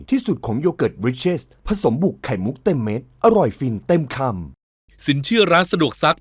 ลุงไม่ไปประกันตัวมันหรอก